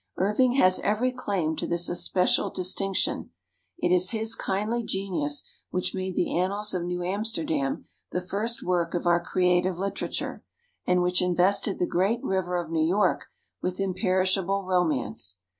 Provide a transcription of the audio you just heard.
Irving has every claim to this especial distinction. It is his kindly genius which made the annals of New Amsterdam the first work of our creative literature, and which invested the great river of New York with imperishable romance.